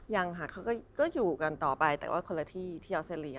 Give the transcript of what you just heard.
ยังค่ะเขาก็อยู่กันต่อไปแต่ว่าคนละที่ที่ออสเตรเลีย